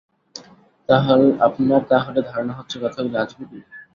আপনার তাহলে ধারণা হচ্ছে কথাগুলি আজগুবি?